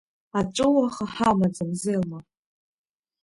Аҵәыуаха ҳамаӡам, Зелма!